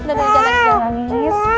selamat tahun ya anak